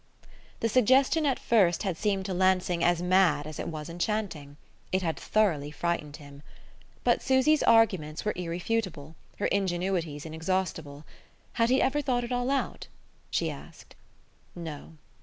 The suggestion, at first, had seemed to Lansing as mad as it was enchanting: it had thoroughly frightened him. But Susy's arguments were irrefutable, her ingenuities inexhaustible. Had he ever thought it all out? She asked. No.